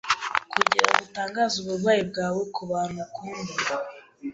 kugirango utangaze uburwayi bwawe kubantu ukunda